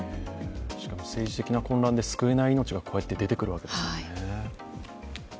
確かに政治的な混乱で救えない命が出てくるわけですからね。